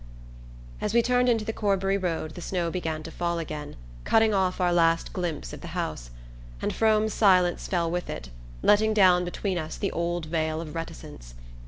As we turned into the Corbury road the snow began to fall again, cutting off our last glimpse of the house; and Frome's silence fell with it, letting down between us the old veil of reticence.